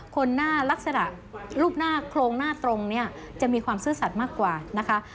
คนหน้าลักษณะรูปหน้าโครงหน้าตรงเนี่ยจะมีความซื่อสัตว์มากกว่านะคะ